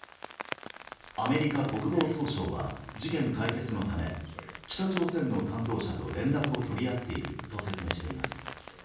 アメリカ国防総省は事件解決のため北朝鮮の担当者と連絡を取り合っていると説明しています。